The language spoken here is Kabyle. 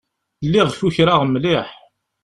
Lliɣ kukraɣ mliḥ.